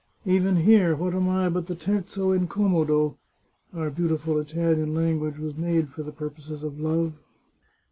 " Even here, what am I but the terso incommodo (our beautiful Italian language was made for the purposes of love)